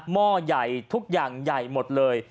หม้อใหญ่ทุกอย่างใหญ่หมดเลย